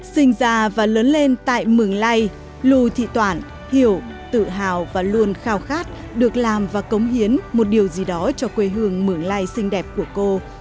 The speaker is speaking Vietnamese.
sinh ra và lớn lên tại mường lây lù thị toản hiểu tự hào và luôn khao khát được làm và cống hiến một điều gì đó cho quê hương mường lai xinh đẹp của cô